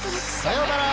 さようなら。